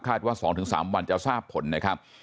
ว่า๒๓วันจะทราบผลนะครับ